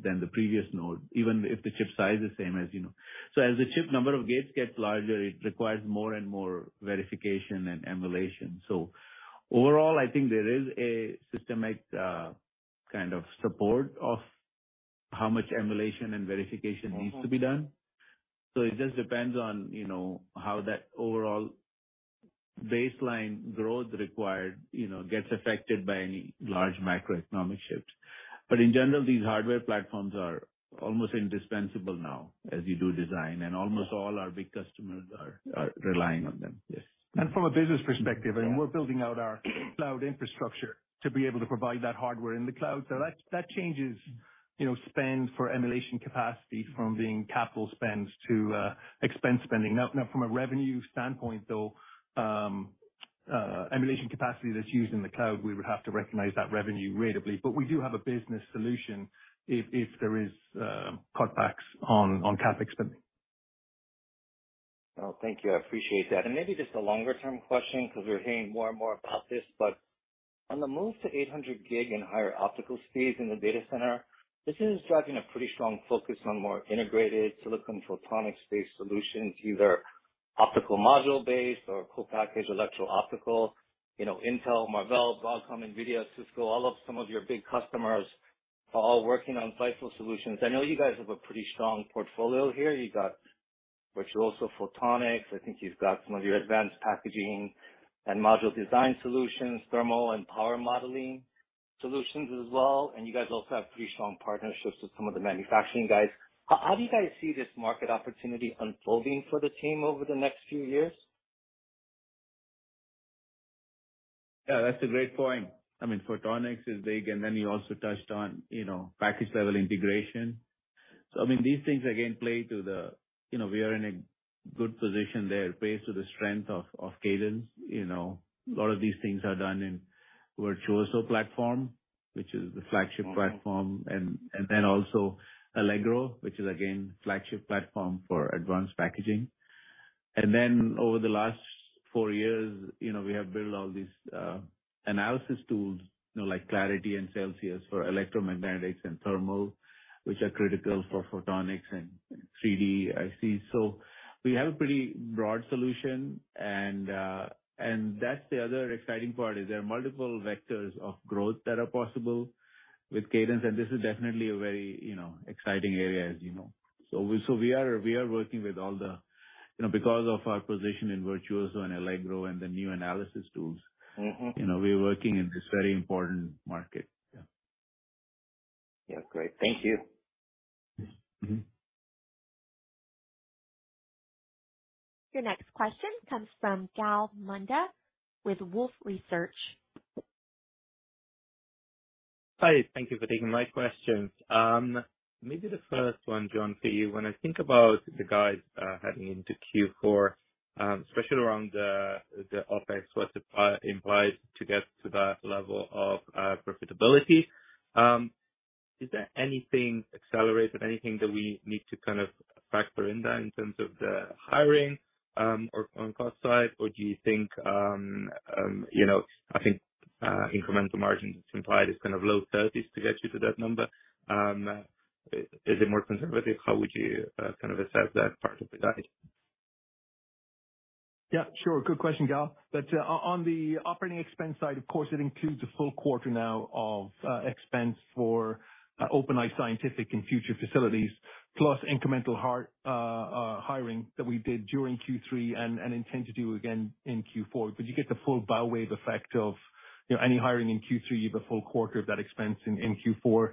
than the previous node, even if the chip size is same as you know. As the chip number of gates gets larger, it requires more and more verification and emulation. Overall, I think there is a systemic kind of support of how much emulation and verification needs to be done. Mm-hmm. It just depends on, you know, how that overall baseline growth required, you know, gets affected by any large macroeconomic shift. In general, these hardware platforms are almost indispensable now as you do design, and almost all our big customers are relying on them. Yes. From a business perspective, I mean, we're building out our cloud infrastructure to be able to provide that hardware in the cloud. That changes, you know, spend for emulation capacity from being CapEx to OpEx spending. Now from a revenue standpoint though, emulation capacity that's used in the cloud, we would have to recognize that revenue ratably. We do have a business solution if there is cutbacks on CapEx spending. Oh, thank you. I appreciate that. Maybe just a longer-term question, because we're hearing more and more about this, but on the move to 800 gig and higher optical speeds in the data center, this is driving a pretty strong focus on more integrated silicon photonics-based solutions, either optical module-based or co-packaged electro-optical. You know, Intel, Marvell, Broadcom, Nvidia, Cisco, all of some of your big customers are all working on viable solutions. I know you guys have a pretty strong portfolio here. You got Virtuoso Photonics. I think you've got some of your advanced packaging and module design solutions, thermal and power modeling solutions as well. You guys also have pretty strong partnerships with some of the manufacturing guys. How do you guys see this market opportunity unfolding for the team over the next few years? Yeah, that's a great point. I mean, photonics is big, and then you also touched on, you know, package level integration. I mean, these things again play to the. You know, we are in a good position there based on the strength of Cadence. You know, a lot of these things are done in Virtuoso platform, which is the flagship platform, and then also Allegro, which is again, flagship platform for advanced packaging. Then over the last four years, you know, we have built all these analysis tools, you know, like Clarity and Celsius for electromagnetics and thermal, which are critical for photonics and 3D IC. We have a pretty broad solution. That's the other exciting part, is there are multiple vectors of growth that are possible with Cadence, and this is definitely a very, you know, exciting area, as you know. We are working with all the you know, because of our position in Virtuoso and Allegro and the new analysis tools. Mm-hmm. You know, we're working in this very important market. Yeah. Yeah. Great. Thank you. Mm-hmm. Your next question comes from Gal Munda with Wolfe Research. Hi. Thank you for taking my questions. Maybe the first one, John, for you. When I think about the guides heading into Q4, especially around the OpEx, what's implied to get to that level of profitability, is there anything accelerated, anything that we need to kind of factor in that in terms of the hiring or on cost side, or do you think you know, I think incremental margin implied is kind of low 30s% to get you to that number. Is it more conservative? How would you kind of assess that part of the guide? Yeah, sure. Good question, Gal. On the operating expense side, of course, it includes a full quarter now of expense for OpenEye Scientific and Future Facilities, plus incremental hiring that we did during Q3 and intend to do again in Q4. You get the full bow wave effect of, you know, any hiring in Q3, you have a full quarter of that expense in Q4.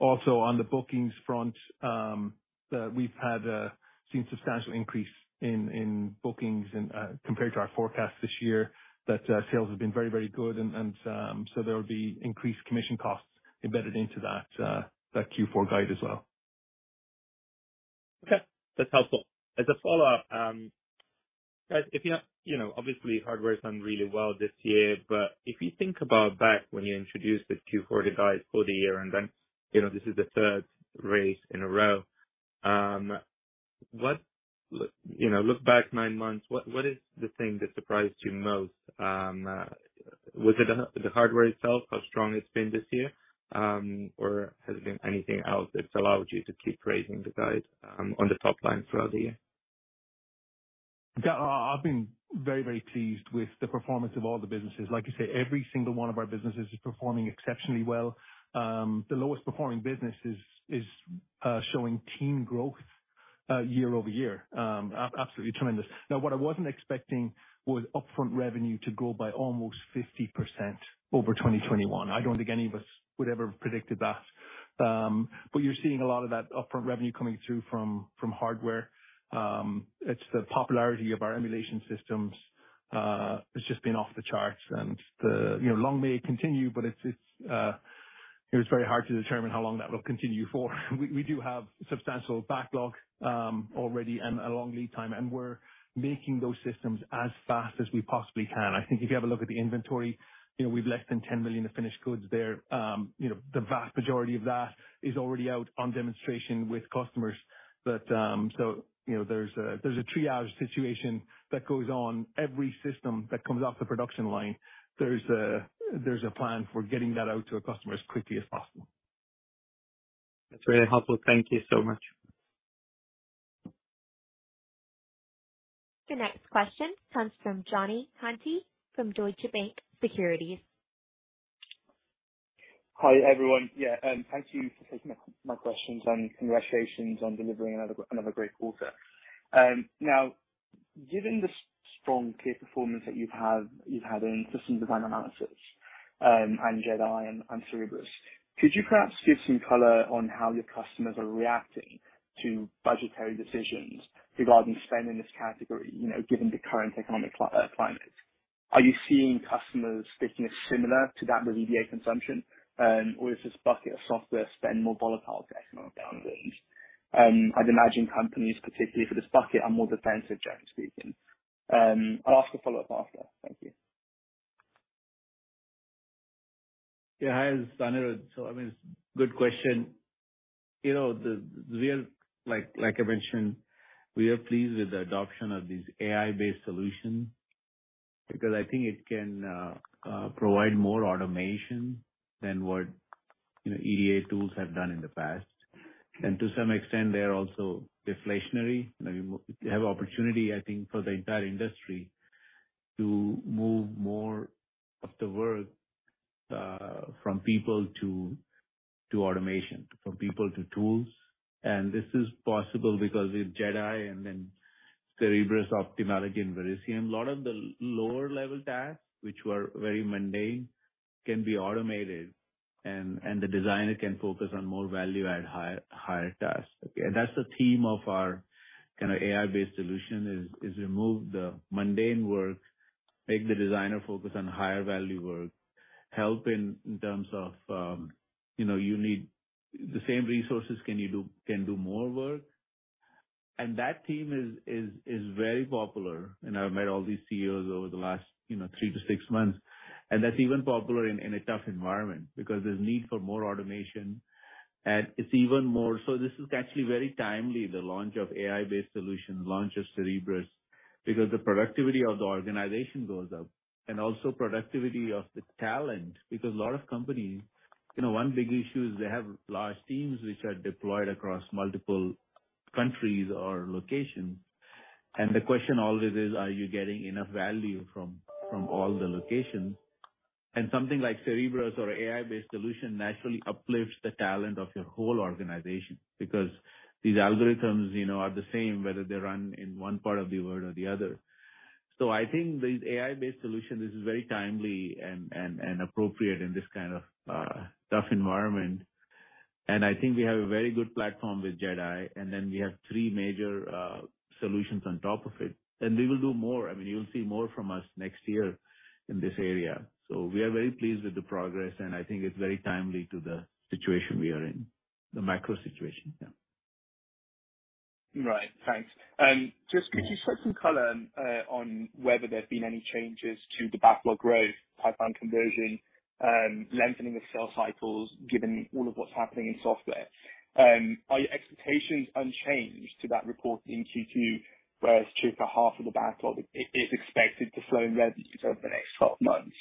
Also on the bookings front, we've seen substantial increase in bookings compared to our forecast this year, that sales have been very good. There will be increased commission costs embedded into that Q4 guide as well. Okay. That's helpful. As a follow-up, you know, obviously hardware's done really well this year, but if you think about back when you introduced the Q4 guide for the year, and then, you know, this is the third raise in a row, you know, look back nine months, what is the thing that surprised you most? Was it the hardware itself, how strong it's been this year, or has it been anything else that's allowed you to keep raising the guide on the top line throughout the year? Gal, I've been very, very pleased with the performance of all the businesses. Like you say, every single one of our businesses is performing exceptionally well. The lowest performing business is showing teen growth year-over-year. Absolutely tremendous. Now, what I wasn't expecting was upfront revenue to grow by almost 50% over 2021. I don't think any of us would ever have predicted that. But you're seeing a lot of that upfront revenue coming through from hardware. It's the popularity of our emulation systems has just been off the charts. You know, long may it continue, but it's very hard to determine how long that will continue for. We do have substantial backlog already and a long lead time, and we're making those systems as fast as we possibly can. I think if you have a look at the inventory, you know, we've less than $10 million of finished goods there. You know, the vast majority of that is already out on demonstration with customers. You know, there's a triage situation that goes on every system that comes off the production line. There's a plan for getting that out to a customer as quickly as possible. That's really helpful. Thank you so much. Your next question comes from Gianmarco Conti from Deutsche Bank Securities. Hi, everyone. Yeah, thank you for taking my questions, and congratulations on delivering another great quarter. Now, given the strong clear performance that you've had in system design analysis, and JedAI and Cerebrus, could you perhaps give some color on how your customers are reacting to budgetary decisions regarding spend in this category, you know, given the current economic climate? Are you seeing customers sticking similar to that with EDA consumption, or is this bucket of software spend more volatile to economic downturns? I'd imagine companies, particularly for this bucket, are more defensive, generally speaking. I'll ask a follow-up after. Thank you. Yeah, hi, this is Anirudh. I mean, good question. We are, like I mentioned, pleased with the adoption of these AI-based solution because I think it can provide more automation than what EDA tools have done in the past. To some extent, they are also deflationary. They have opportunity, I think, for the entire industry to move more of the work from people to automation, from people to tools. This is possible because with JedAI and then Cerebrus, Optimality and Verisium, a lot of the lower level tasks, which were very mundane, can be automated and the designer can focus on more value at higher tasks. Okay? That's the theme of our kind of AI-based solution is to remove the mundane work, make the designer focus on higher value work, help in terms of, you know, with the same resources you can do more work. That theme is very popular, and I've met all these CEOs over the last, you know, 3-6 months. That's even popular in a tough environment because there's need for more automation, and it's even more. This is actually very timely, the launch of AI-based solution, launch of Cerebrus, because the productivity of the organization goes up. Also productivity of the talent, because a lot of companies, you know, one big issue is they have large teams which are deployed across multiple countries or locations. The question always is, are you getting enough value from all the locations? Something like Cerebrus or AI-based solution naturally uplifts the talent of your whole organization because these algorithms, you know, are the same whether they run in one part of the world or the other. I think these AI-based solution is very timely and appropriate in this kind of tough environment. I think we have a very good platform with JedAI, and then we have three major solutions on top of it. We will do more. I mean, you'll see more from us next year in this area. We are very pleased with the progress, and I think it's very timely to the situation we are in, the macro situation. Yeah. Right. Thanks. Just could you shed some color on whether there have been any changes to the backlog growth, pipeline conversion, lengthening of sales cycles, given all of what's happening in software? Are your expectations unchanged to that reported in Q2, whereas two-thirds of the backlog is expected to flow in revenue for the next 12 months?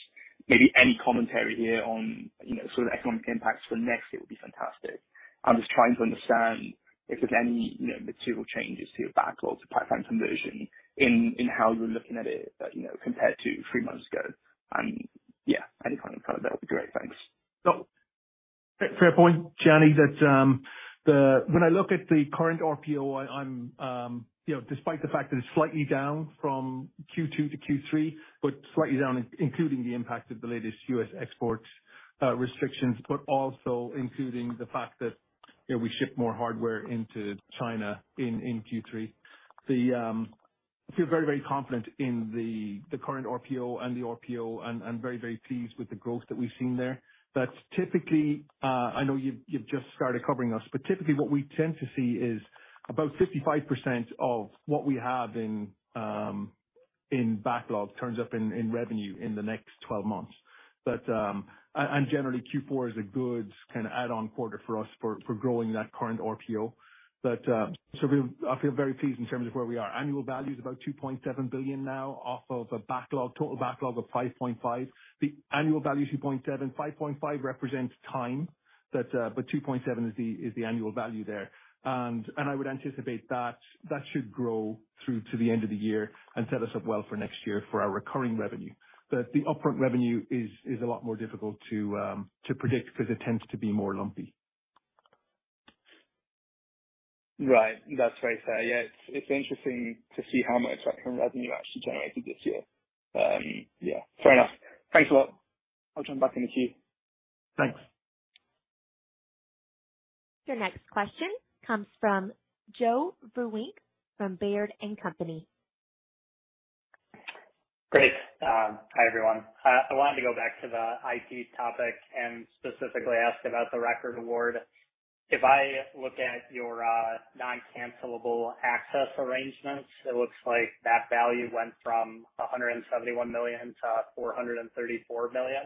Maybe any commentary here on, you know, sort of the economic impacts for next year would be fantastic. I'm just trying to understand if there's any, you know, material changes to your backlogs or pipeline conversion in how you're looking at it, you know, compared to three months ago. Yeah, any kind of color there would be great. Thanks. Fair point, Johnny. That, when I look at the current RPO, I'm, you know, despite the fact that it's slightly down from Q2 to Q3, but slightly down including the impact of the latest U.S. export restrictions, but also including the fact that, you know, we ship more hardware into China in Q3. I feel very, very confident in the current RPO and the RPO and very, very pleased with the growth that we've seen there. Typically, I know you've just started covering us, but typically what we tend to see is about 55% of what we have in backlog turns up in revenue in the next 12 months. And generally, Q4 is a good kind of add-on quarter for us for growing that current RPO. I feel very pleased in terms of where we are. Annual value is about $2.7 billion now off of a backlog, total backlog of $5.5 billion. The annual value, 2.7, 5.5 represents time, but two point seven is the annual value there. I would anticipate that that should grow through to the end of the year and set us up well for next year for our recurring revenue. The upfront revenue is a lot more difficult to predict 'cause it tends to be more lumpy. Right. That's very fair. Yeah. It's interesting to see how much upfront revenue you actually generated this year. Yeah. Fair enough. Thanks a lot. I'll jump back in the queue. Thanks. Your next question comes from Joe Vruwink from Baird. Great. Hi, everyone. I wanted to go back to the IP topic and specifically ask about the record award. If I look at your non-cancellable access arrangements, it looks like that value went from $171 million to $434 million.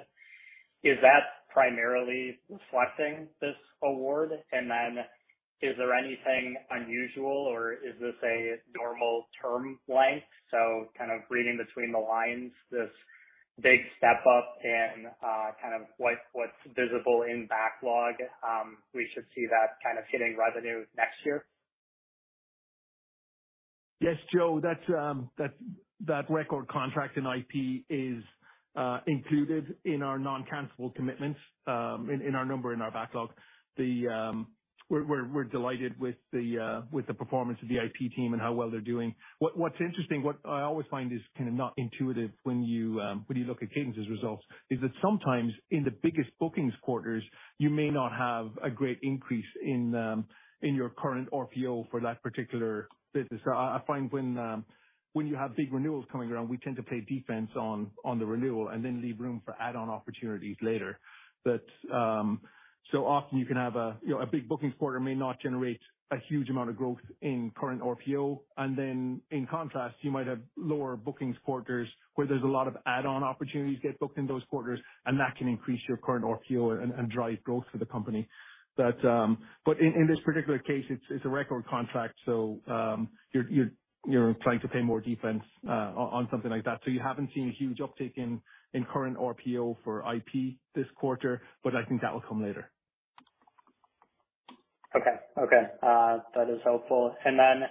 Is that primarily reflecting this award? And then is there anything unusual or is this a normal term length? Kind of reading between the lines, this big step up and kind of what's visible in backlog, we should see that kind of hitting revenue next year. Yes, Joe. That's that record contract in IP is included in our non-cancelable commitments, in our number in our backlog. We're delighted with the performance of the IP team and how well they're doing. What's interesting, what I always find is kind of not intuitive when you look at Cadence's results, is that sometimes in the biggest bookings quarters, you may not have a great increase in your current RPO for that particular business. I find when you have big renewals coming around, we tend to play defense on the renewal and then leave room for add-on opportunities later. Often you can have a, you know, a big bookings quarter may not generate a huge amount of growth in current RPO. Then in contrast, you might have lower bookings quarters where there's a lot of add-on opportunities get booked in those quarters, and that can increase your current RPO and drive growth for the company. In this particular case, it's a record contract, so you're inclined to play more defense on something like that. You haven't seen huge uptake in current RPO for IP this quarter, but I think that will come later. Okay. Okay, that is helpful. Then,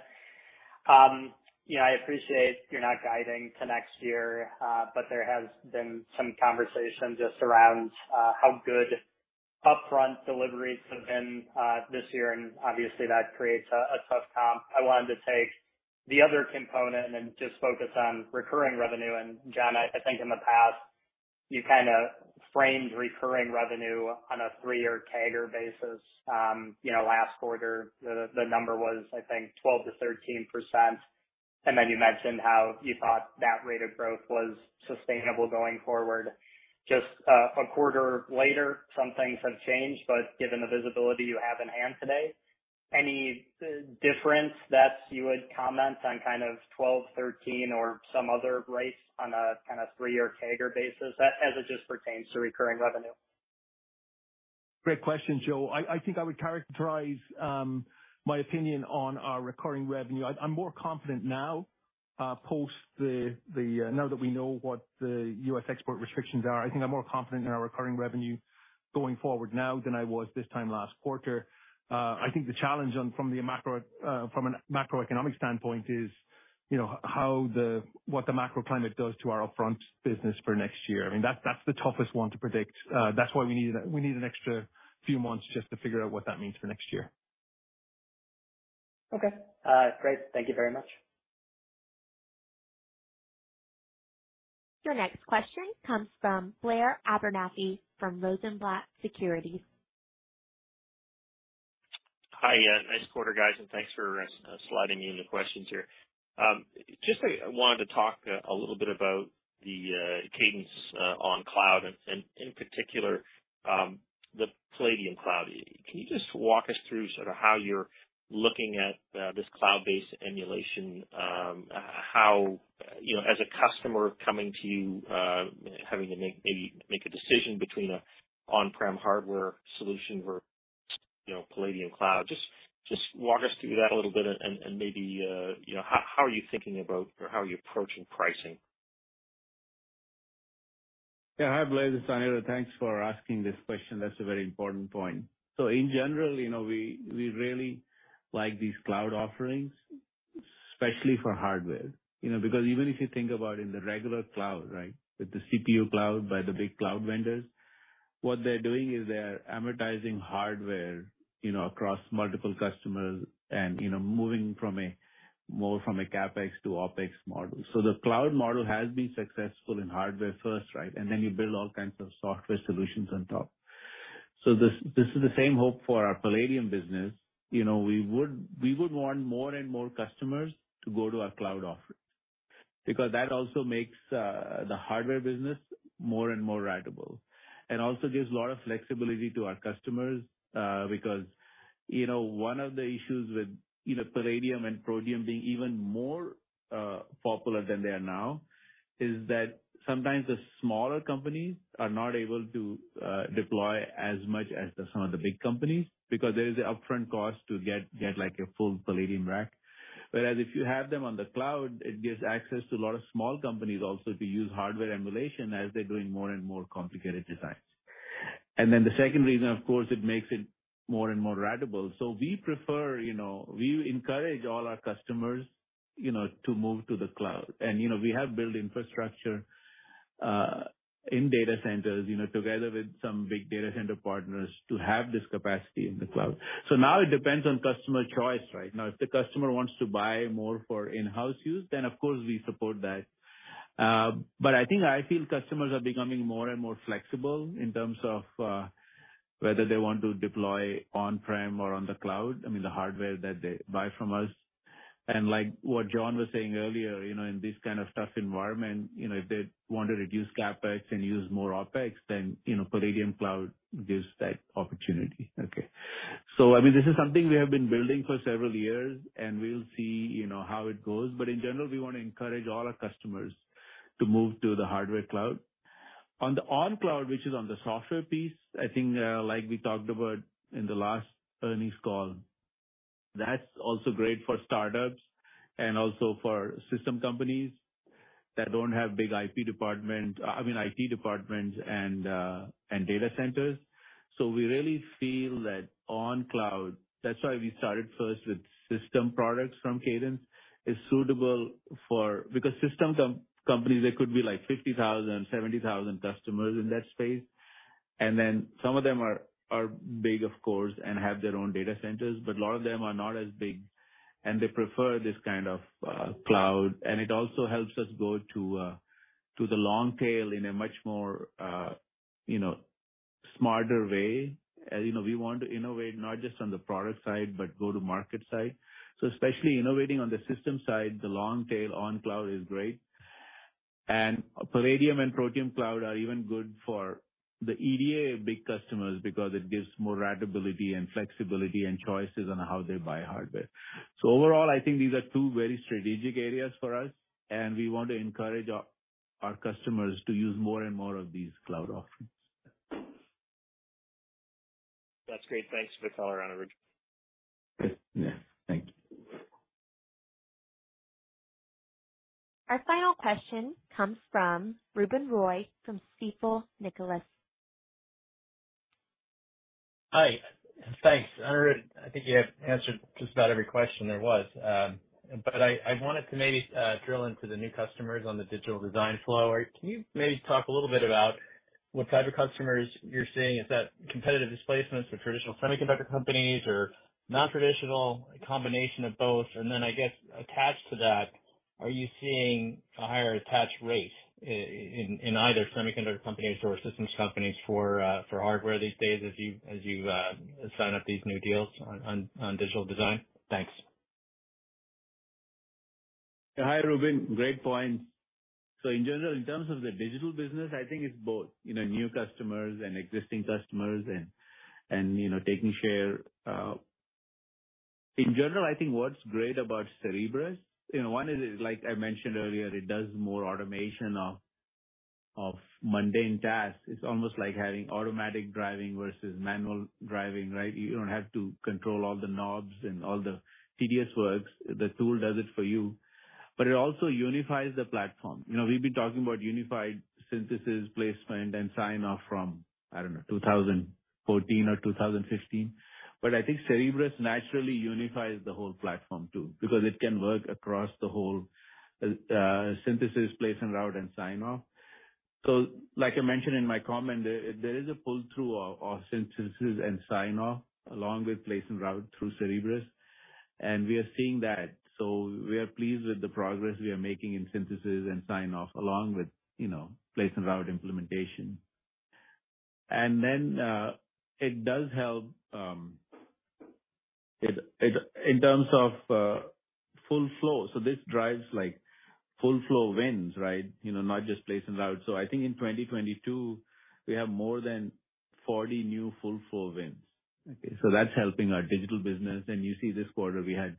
you know, I appreciate you're not guiding to next year, but there has been some conversation just around how good upfront deliveries have been this year, and obviously that creates a tough comp. I wanted to take the other component and then just focus on recurring revenue. John Wall, I think in the past you kinda framed recurring revenue on a three-year CAGR basis. You know, last quarter the number was I think 12%-13%. Then you mentioned how you thought that rate of growth was sustainable going forward. Just a quarter later, some things have changed, but given the visibility you have in hand today, any difference that you would comment on kind of 12, 13 or some other rate on a kinda three-year CAGR basis as it just pertains to recurring revenue? Great question, Joe. I think I would characterize my opinion on our recurring revenue. I'm more confident now. Now that we know what the U.S. export restrictions are, I think I'm more confident in our recurring revenue going forward now than I was this time last quarter. I think the challenge from a macroeconomic standpoint is, you know, how the macro climate does to our upfront business for next year. I mean, that's the toughest one to predict. That's why we need an extra few months just to figure out what that means for next year. Okay. Great. Thank you very much. Your next question comes from Blair Abernethy from Rosenblatt Securities. Hi, nice quarter guys, and thanks for sliding me into questions here. Just wanted to talk a little bit about the Cadence on cloud and in particular the Palladium Cloud. Can you just walk us through sort of how you're looking at this cloud-based emulation? How, you know, as a customer coming to you having to make a decision between an on-prem hardware solution versus, you know, Palladium Cloud. Just walk us through that a little bit and maybe you know how you are thinking about or how you are approaching pricing? Yeah. Hi, Blair. This is Anirudh. Thanks for asking this question. That's a very important point. In general, you know, we really like these cloud offerings, especially for hardware, you know. Because even if you think about in the regular cloud, right? With the CPU cloud by the big cloud vendors, what they're doing is they're amortizing hardware, you know, across multiple customers and, you know, moving from a more CapEx to OpEx model. The cloud model has been successful in hardware first, right? You build all kinds of software solutions on top. This is the same hope for our Palladium business. You know, we would want more and more customers to go to our cloud offerings because that also makes the hardware business more and more ratable. It also gives a lot of flexibility to our customers, because, you know, one of the issues with either Palladium and Protium being even more popular than they are now is that sometimes the smaller companies are not able to deploy as much as some of the big companies because there is an upfront cost to get like a full Palladium rack. Whereas if you have them on the cloud, it gives access to a lot of small companies also to use hardware emulation as they're doing more and more complicated designs. The second reason, of course, it makes it more and more ratable. We prefer, you know, we encourage all our customers, you know, to move to the cloud. You know, we have built infrastructure in data centers, you know, together with some big data center partners to have this capacity in the cloud. Now it depends on customer choice, right? Now, if the customer wants to buy more for in-house use, then of course we support that. But I think IP customers are becoming more and more flexible in terms of whether they want to deploy on-prem or on the cloud, I mean, the hardware that they buy from us. Like what John was saying earlier, you know, in this kind of tough environment, you know, if they want to reduce CapEx and use more OpEx, then, you know, Palladium Cloud gives that opportunity. Okay. I mean, this is something we have been building for several years, and we'll see, you know, how it goes. In general, we wanna encourage all our customers to move to the hardware cloud. On the cloud, which is on the software piece, I think, like we talked about in the last earnings call, that's also great for startups and also for system companies that don't have big IP department, I mean, IT departments and data centers. We really feel that on cloud, that's why we started first with system products from Cadence, is suitable for. Because system companies, there could be like 50,000, 70,000 customers in that space. Then some of them are big of course, and have their own data centers, but a lot of them are not as big and they prefer this kind of cloud. It also helps us go to the long tail in a much more, you know, smarter way. You know, we want to innovate not just on the product side, but go-to-market side. Especially innovating on the system side, the long tail on cloud is great. Palladium and Protium Cloud are even good for the EDA big customers because it gives more ratability and flexibility and choices on how they buy hardware. Overall, I think these are two very strategic areas for us, and we want to encourage our customers to use more and more of these cloud options. That's great. Thanks for the color, Anirudh. Yes. Thank you. Our final question comes from Ruben Roy from Stifel Nicolas. Hi. Thanks. Anirudh, I think you have answered just about every question there was. I wanted to maybe drill into the new customers on the digital design flow. Can you maybe talk a little bit about what type of customers you're seeing? Is that competitive displacements for traditional semiconductor companies or non-traditional, a combination of both? I guess attached to that, are you seeing a higher attach rate in either semiconductor companies or systems companies for hardware these days as you sign up these new deals on digital design? Thanks. Hi, Ruben. Great points. In general, in terms of the digital business, I think it's both, you know, new customers and existing customers and, you know, taking share. In general, I think what's great about Cerebrus, you know, one is like I mentioned earlier, it does more automation of mundane tasks. It's almost like having automatic driving versus manual driving, right? You don't have to control all the knobs and all the tedious work. The tool does it for you. It also unifies the platform. You know, we've been talking about unified synthesis, placement, and sign-off from, I don't know, 2014 or 2015. I think Cerebrus naturally unifies the whole platform too, because it can work across the whole synthesis, placement and route, and sign-off. Like I mentioned in my comment, there is a pull-through of synthesis and sign-off along with place and route through Cerebrus, and we are seeing that. We are pleased with the progress we are making in synthesis and sign-off along with, you know, place and route implementation. It does help in terms of full flow. This drives like full flow wins, right? You know, not just place and route. I think in 2022 we have more than 40 new full flow wins. Okay. That's helping our digital business. You see this quarter we had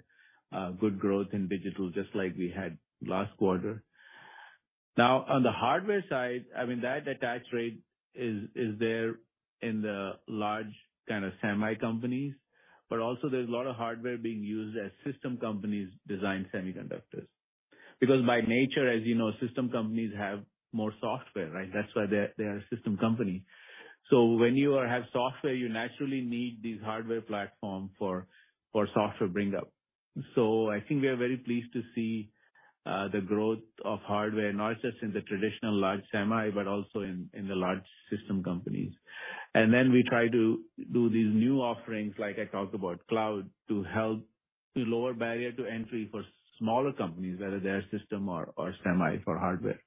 good growth in digital just like we had last quarter. Now on the hardware side, I mean that attach rate is there in the large kind of semi companies, but also there's a lot of hardware being used as system companies design semiconductors. Because by nature, as you know, system companies have more software, right? That's why they're a system company. When you have software, you naturally need these hardware platform for software bring up. I think we are very pleased to see the growth of hardware, not just in the traditional large semi, but also in the large system companies. We try to do these new offerings like I talked about, cloud, to help to lower barrier to entry for smaller companies, whether they're system or semi for hardware.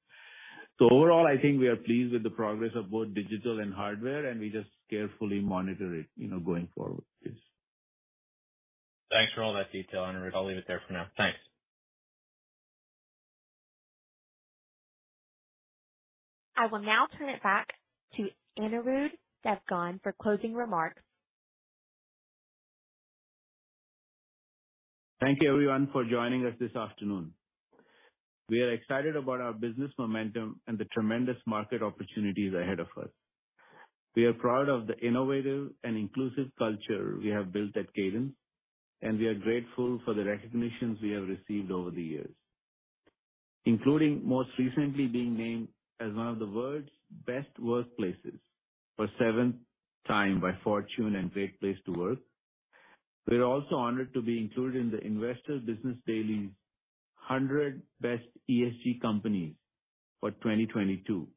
Overall, I think we are pleased with the progress of both digital and hardware, and we just carefully monitor it, you know, going forward. Thanks for all that detail, Anirudh. I'll leave it there for now. Thanks. I will now turn it back to Anirudh Devgan for closing remarks. Thank you everyone for joining us this afternoon. We are excited about our business momentum and the tremendous market opportunities ahead of us. We are proud of the innovative and inclusive culture we have built at Cadence, and we are grateful for the recognitions we have received over the years, including most recently being named as one of the world's best workplaces for seventh time by Fortune and Great Place to Work. We're also honored to be included in the Investor's Business Daily's 100 best ESG companies for 2022,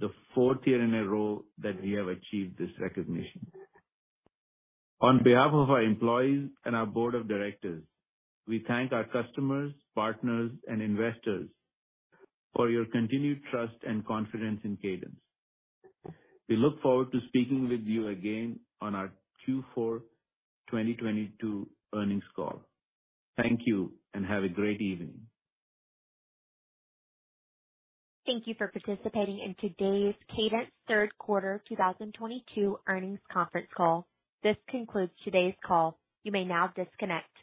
the fourth year in a row that we have achieved this recognition. On behalf of our employees and our board of directors, we thank our customers, partners, and investors for your continued trust and confidence in Cadence. We look forward to speaking with you again on our Q4 2022 earnings call. Thank you and have a great evening. Thank you for participating in today's Cadence Q3 2022 earnings conference call. This concludes today's call. You may now disconnect.